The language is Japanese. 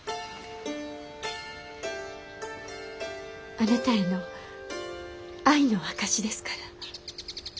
あなたへの愛の証しですから。